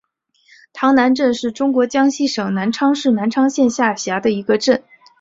塘南镇是中国江西省南昌市南昌县下辖的一个镇。